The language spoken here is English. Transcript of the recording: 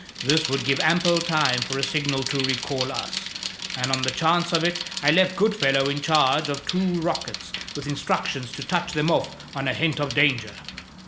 This would give ample time for a signal to recall us, and on the chance of it I left Goodfellow in charge of two rockets with instructions to touch them off on a hint of danger."